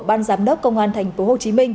ban giám đốc công an tp hcm